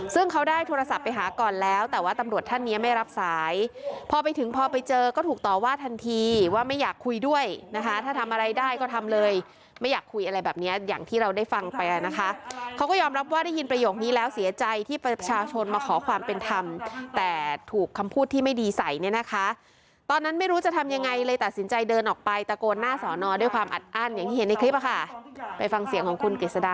คุยด้วยนะคะถ้าทำอะไรได้ก็ทำเลยไม่อยากคุยอะไรแบบเนี้ยอย่างที่เราได้ฟังไปแล้วนะคะเขาก็ยอมรับว่าได้ยินประโยคนี้แล้วเสียใจที่ประชาชนมาขอความเป็นธรรมแต่ถูกคำพูดที่ไม่ดีใสเนี้ยนะคะตอนนั้นไม่รู้จะทำยังไงเลยตัดสินใจเดินออกไปตะโกนหน้าสอนอด้วยความอัดอั้นอย่างที่เห็นในคลิปอะค่ะไปฟังเสียงของคุ